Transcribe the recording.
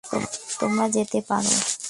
তোমরা যেতে পারো।